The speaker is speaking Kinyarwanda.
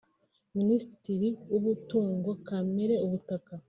Minisitiri w’Umutungo Kamere ( Ubutaka